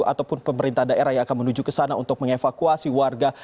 ataupun pemerintah daerah yang akan menuju ke sana untuk mengevakuasi warga